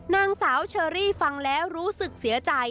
นางสาวเชอรี่ฟังแล้วรู้สึกเสียใจ